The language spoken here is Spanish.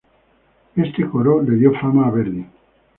Este coro le dio fama a Verdi.